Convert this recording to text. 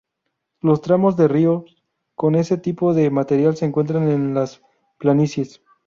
Los tramos de ríos con ese tipo de material se encuentran en las planicies.